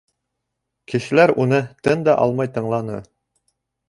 Кешеләр уны тын да алмай тыңланы.